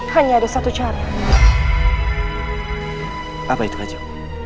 harus berada di tanganku